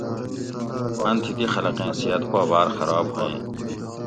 ان تھی دی خلقیں صحت پا باۤر خراب ہوئیں